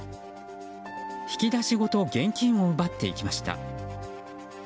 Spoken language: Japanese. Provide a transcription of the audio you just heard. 引き出しごと現金を奪っていきました。